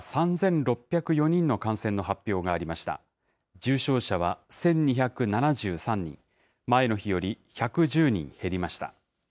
重症者は１２７３人、前の日より１１０人減りました。